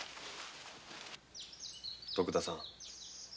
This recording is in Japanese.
徳田さん